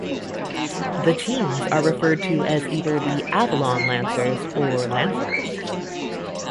The teams are referred to either as the "Avalon Lancers" or "Lancers".